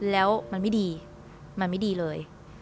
แล้วมันไม่ดีมันไม่ดีเลย